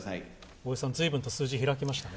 大江さん、ずいぶんと数字、開きましたね。